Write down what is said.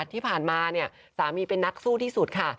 ที่ผ่านมาเนี่ยสามีเป็นนักสู้ที่สุดค่ะ